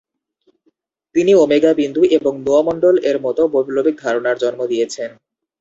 তিনি ওমেগা বিন্দু এবং নুওমণ্ডল-এর মত বৈপ্লবিক ধারণার জন্ম দিয়েছেন।